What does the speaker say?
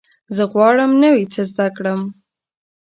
زه غواړم نوی څه زده کړم.